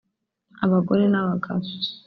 abagore n’abagabo